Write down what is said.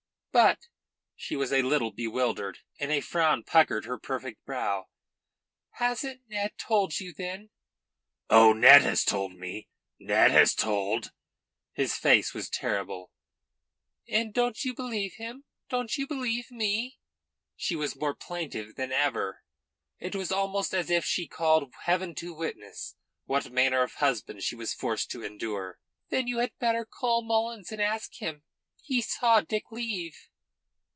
"But " She was a little bewildered, and a frown puckered her perfect brow. "Hasn't Ned told you, then?" "Oh, Ned has told me. Ned has told!" His face was terrible. "And don't you believe him? Don't you believe me?" She was more plaintive than ever. It was almost as if she called heaven to witness what manner of husband she was forced to endure. "Then you had better call Mullins and ask him. He saw Dick leave."